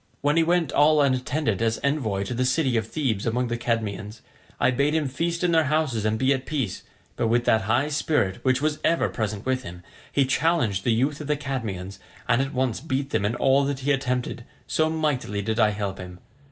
When he went all unattended as envoy to the city of Thebes among the Cadmeans, I bade him feast in their houses and be at peace; but with that high spirit which was ever present with him, he challenged the youth of the Cadmeans, and at once beat them in all that he attempted, so mightily did I help him.